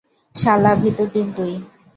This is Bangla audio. শালা, ভীতুর ডিম তুই।